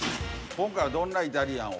今回はどんなイタリアンを？